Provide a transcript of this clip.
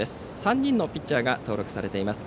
３人のピッチャーが登録されています。